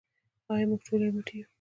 آیا موږ ټول یو موټی یو؟